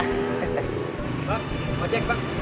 lo mau cek bang